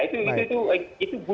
itu itu itu